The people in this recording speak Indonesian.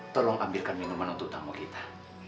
tolong ambilkan minuman untuk tamu kita